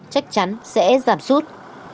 chắc chắn sẽ giảm sút